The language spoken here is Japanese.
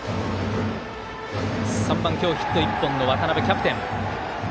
３番、今日ヒット１本の渡邊、キャプテン。